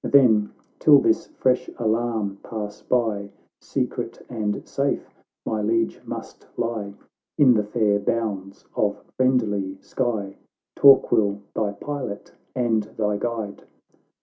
Then, till this fresh alarm pass by, Secret and safe my Liege must lie In the fair bounds of friendly Skye, Torquil thy pilot and thy guide."